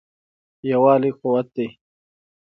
یووالی قوت دی.